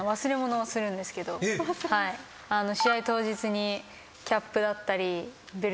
試合当日に。